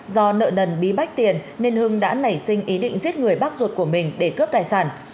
do nợ nần bí bách tiền nên hưng đã nảy sinh ý định giết người bác ruột của mình để cướp tài sản